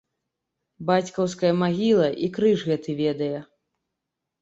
Бацькаўская магіла і крыж гэты ведае!